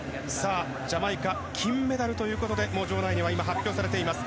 ジャマイカ金メダルということで場内に発表されました。